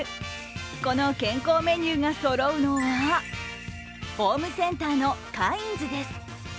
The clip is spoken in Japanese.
この健康メニューがそろうのはホームセンターのカインズです。